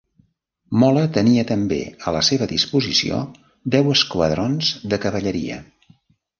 Mola tenia també a la seva disposició deu esquadrons de cavalleria.